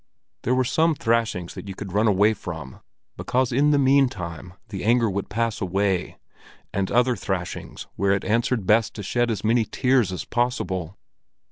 There were some thrashings that you could run away from, because in the meantime the anger would pass away, and other thrashings where it answered best to shed as many tears as possible.